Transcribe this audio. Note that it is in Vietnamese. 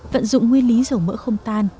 vận dụng nguyên lý dầu mỡ không tan